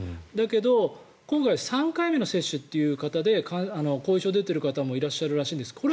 だけど今回、３回目の接種という方で後遺症が出ている方もいらっしゃるらしいんです。